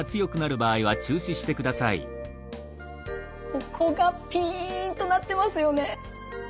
ここがピンとなってますよね。